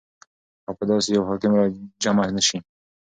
او په داسي يو حاكم راجمع نسي